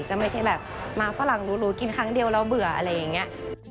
ไม่ใช่แบบมาฝรั่งรู้กินครั้งเดียวแล้วเบื่ออะไรอย่างนี้